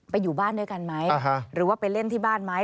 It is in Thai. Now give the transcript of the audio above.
อยู่บ้านด้วยกันไหมหรือว่าไปเล่นที่บ้านไหม